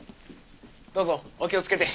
どうぞお気をつけて。